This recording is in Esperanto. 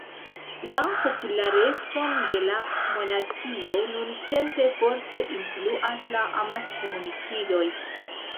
La popularecon de la monarkio nuntempe forte influas la amaskomunikiloj.